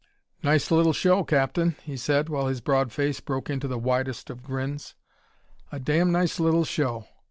"Nice little show, Captain," he said, while his broad face broke into the widest of grins. "A damn nice little show!